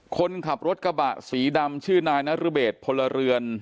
คนขับรถกระบะสีดำชื่อนายนรเบศพลเรือน